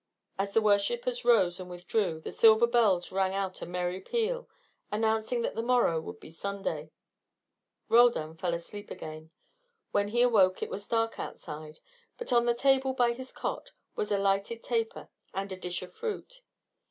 As the worshippers rose and withdrew, the silver bells rang out a merry peal, announcing that the morrow would be Sunday. Roldan fell asleep again. When he awoke it was dark outside, but on the table by his cot was a lighted taper and a dish of fruit.